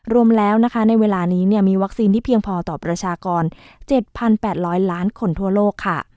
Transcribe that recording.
รวมแล้วนะคะในเวลานี้มีวัคซีนที่เพียงพอต่อประชากร๗๘๐๐ล้านคนทั่วโลกค่ะ